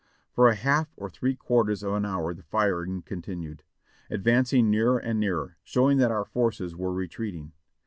For a half or three quarters of an hour the firing continued, advancing nearer and nearer, showing that our forces were re treating.